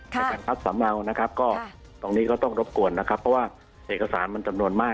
ในการคัดสำเนานะครับก็ตรงนี้ก็ต้องรบกวนนะครับเพราะว่าเอกสารมันจำนวนมาก